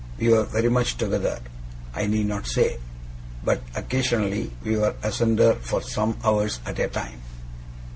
We were very much together, I need not say; but occasionally we were asunder for some hours at a time.